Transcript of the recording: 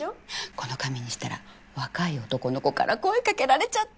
この髪にしたら若い男の子から声かけられちゃって。